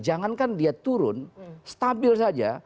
jangankan dia turun stabil saja